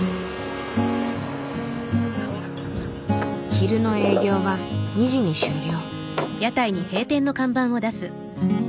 昼の営業は２時に終了。